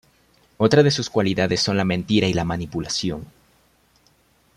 Otra de sus cualidades son la mentira y la manipulación.